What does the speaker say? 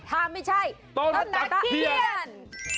ถ้าไม่ใช่ต้นตะเคียน